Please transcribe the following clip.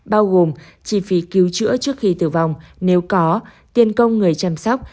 bao gồm chi phí cứu chữa trước khi tử vong nếu có tiền công người chăm sóc